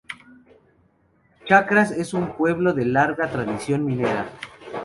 Charcas es un pueblo de larga tradición minera.